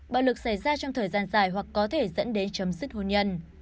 bạo lực xảy ra trong thời gian dài hoặc có thể dẫn đến chấm dứt hôn nhân